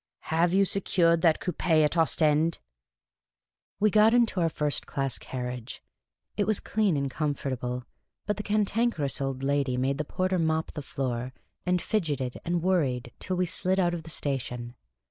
Have you secured that coupe at Ostend ?" We got into our first class carriage. It was clean and comfortable ; but the Cantankerous Old Lady made the porter mop the floor, and fidgeted and worried till we slid out of the station.